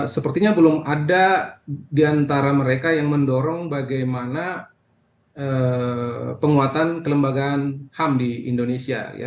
sepertinya belum ada di antara mereka yang mendorong bagaimana penguatan kelembagaan ham di indonesia